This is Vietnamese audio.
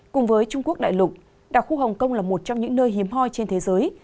cùng với trung quốc đại lục đảo khu hồng kông là một trong những nơi hiếm hoi trên thế giới